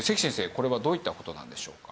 これはどういった事なんでしょうか？